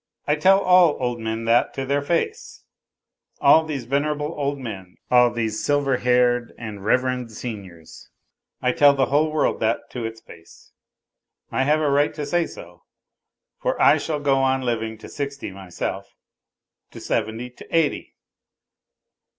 I tell all old men that to their face, all these venerable old men, all these silver haired and reverend seniors ! I tell the whole world that to its face ! I have a right to say so, for I shall go on living to sixty myself. To seventy ! To eighty